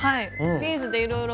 ビーズでいろいろ。